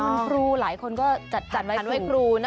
วันครูหลายคนก็จัดผ่านไหว้ครู